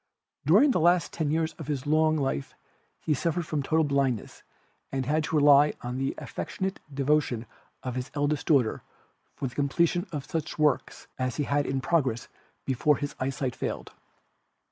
During the last ten years of his long life he suffered from total blindness and had to rely on the affectionate devotion of his eldest daughter for the completion of such works as he had in progress before his eyesight failed.